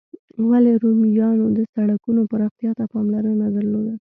ولي رومیانو د سړکونو پراختیا ته پاملرنه درلوده؟